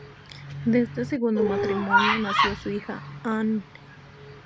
De este segundo matrimonio nació su hija Anne.